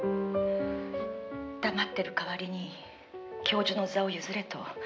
「黙ってる代わりに教授の座を譲れと」